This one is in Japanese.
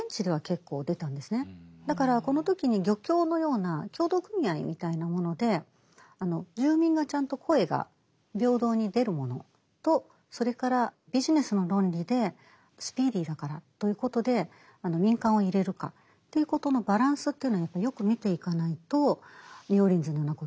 だからこの時に漁協のような協同組合みたいなもので住民がちゃんと声が平等に出るものとそれからビジネスの論理でスピーディーだからということで民間を入れるかということのバランスというのはやっぱりよく見ていかないとニューオーリンズのようなことになってしまう。